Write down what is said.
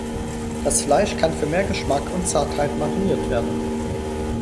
Das Fleisch kann für mehr Geschmack und Zartheit mariniert werden.